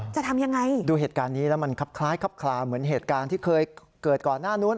จะทำยังไงดูเหตุการณ์นี้แล้วมันครับคล้ายครับคลาเหมือนเหตุการณ์ที่เคยเกิดก่อนหน้านู้น